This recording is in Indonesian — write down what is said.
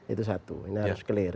itu satu ini harus clear